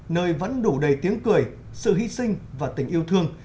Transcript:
nơi vẫn đủ đầy tiếng cười sự hy sinh và tình yêu thương